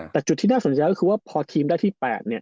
แต่จุดที่น่าสนใจก็คือว่าพอทีมได้ที่๘